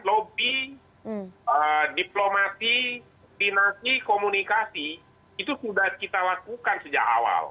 lobby diplomasi dinasti komunikasi itu sudah kita lakukan sejak awal